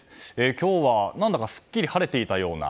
今日は何だかすっきり晴れていたような。